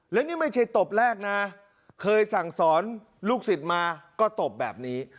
และนี่ไม่ใช่ตบแรกนะเคยสั่งสอนลูกศิษย์มาก็ตบแบบนี้